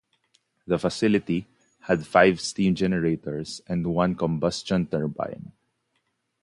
The facility had five steam generators and one combustion turbine.